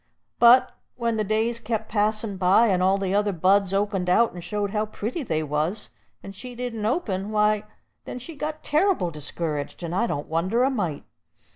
But when the days kep' passin' by, and all the other buds opened out, and showed how pretty they was, and she didn't open, why, then she got terr'ble discouraged; and I don't wonder a mite.